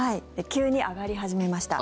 急に上がり始めました。